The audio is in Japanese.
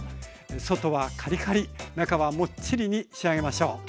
外はカリカリ中はモッチリに仕上げましょう。